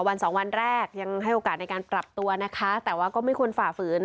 วันสองวันแรกยังให้โอกาสในการปรับตัวนะคะแต่ว่าก็ไม่ควรฝ่าฝืน